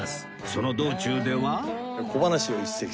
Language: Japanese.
その道中では